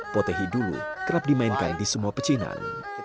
potehi dulu kerap dimainkan di semua pecinan